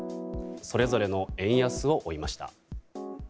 それぞれの円安を追いました。